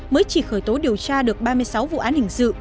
mới chỉ khởi tố điều tra được ba mươi sáu vụ án hình sự